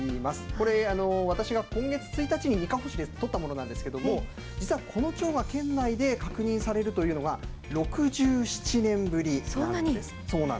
これ私が今月１日に、にかほ市で捕ったものなんですけども実は、このチョウが県内で確認されるというのは６７年ぶりなんです。